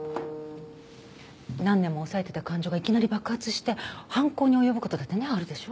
何年も抑えてた感情がいきなり爆発して犯行に及ぶ事だってねあるでしょ。